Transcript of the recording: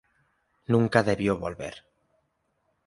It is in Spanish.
Nunca debió volver.